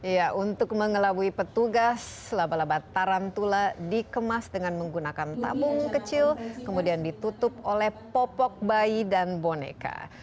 ya untuk mengelabui petugas laba laba tarantula dikemas dengan menggunakan tabung kecil kemudian ditutup oleh popok bayi dan boneka